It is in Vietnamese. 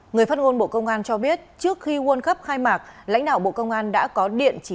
người phát ngôn bộ công an cho biết trước khi world cup khai mạc lãnh đạo bộ công an đã có điện chỉ